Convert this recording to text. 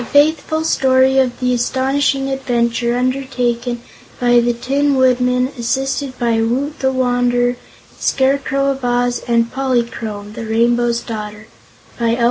Frank Baum A Faithful Story of the Astonishing Adventure Undertaken by the Tin Woodman, assisted by Woot the Wanderer, the Scarecrow of Oz, and Polychrome, the Rainbow's Daughter by L.